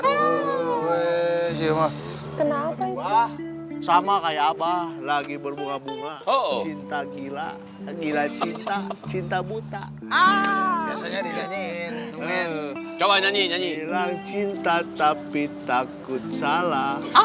dari teh manis dulu terutama